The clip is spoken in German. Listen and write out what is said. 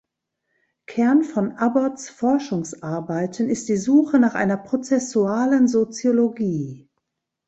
Kern von Abbotts Forschungsarbeiten ist die „Suche nach einer prozessualen Soziologie“.